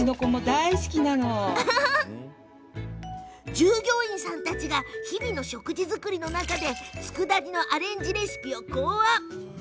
従業員さんたちが日々の食事作りの中でつくだ煮のアレンジレシピを考案。